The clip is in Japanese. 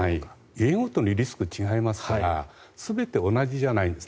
家ごとにリスクが違いますから全て同じじゃないんです。